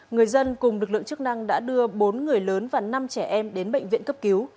người dân cùng lực lượng chức năng đã đưa bốn người lớn và năm trẻ em đến bệnh viện cấp cứu